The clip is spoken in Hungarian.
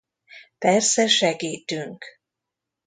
Persze segítünk.